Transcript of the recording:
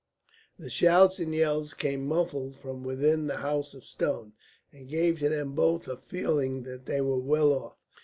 The shouts and yells came muffled from within the House of Stone, and gave to them both a feeling that they were well off.